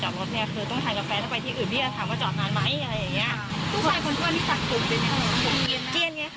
หลังเกิดเหตุจนถึงวันนี้ไม่สามารถเปิดกล้องวงจรปิดดูย้อนหลังได้อ่ะคุณผู้ชม